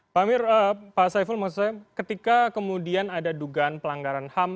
pak amir pak saiful maksud saya ketika kemudian ada dugaan pelanggaran ham